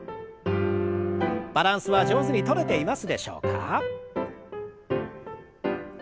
バランスは上手にとれていますでしょうか？